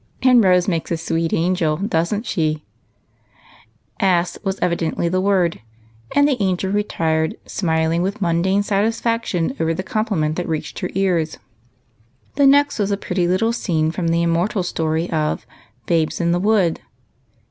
Rose makes a sweet angel, don't she ?"" Ass " was evidently the word, and the angel re tired, smiling with mundane satisfaction over the com pliment that reached her ears. The next was a pretty little scene from the immortal story of " Babes in the "Wood."